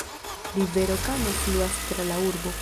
Rivero Kano fluas tra la urbo.